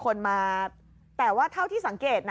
คุณผู้ชมถามมาในไลฟ์ว่าเขาขอฟังเหตุผลที่ไม่ให้จัดอีกที